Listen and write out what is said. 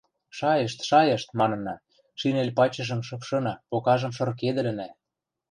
– Шайышт, шайышт, – манына, шинель пачыжым шыпшына, покажым шыркедӹлӹнӓ.